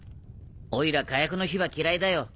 オイラ火薬の火は嫌いだよ。